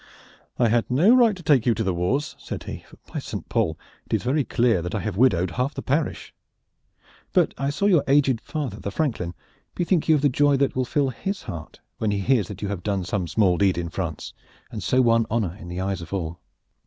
"I had no right to take you to the wars," said he; "for by Saint Paul! it is very clear that I have widowed half the parish. But I saw your aged father the franklin. Bethink you of the joy that will fill his heart when he hears that you have done some small deed in France, and so won honor in the eyes of all."